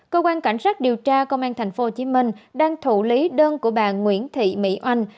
cơ quan cảnh sát điều tra công an tp hcm đang thủ lý đơn của bà nguyễn thị mỹ oanh